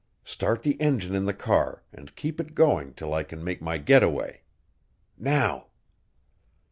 Start the engine in the car and keep it going till I can make my getaway. Now!"